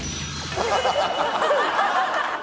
ハハハハ！